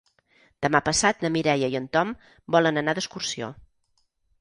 Demà passat na Mireia i en Tom volen anar d'excursió.